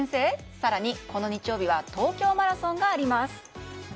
更に、この日曜日は東京マラソンがあります。